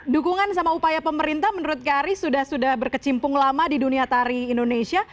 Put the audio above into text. dukungan sama upaya pemerintah menurut kak ari sudah sudah berkecimpung lama di dunia tari indonesia